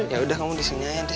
eh yaudah kamu disini aja deh